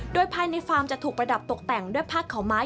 โดยภายในฟาร์มจะถูกประดับตกแต่งด้วยผ้าขาวไม้